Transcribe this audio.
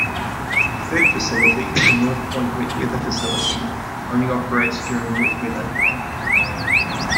A third facility, the North Point Wet-Weather Facility, only operates during wet weather.